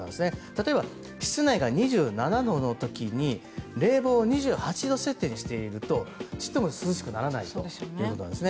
例えば、室内が２７度の時に冷房を２８度設定にしているとちっとも涼しくならないということなんです。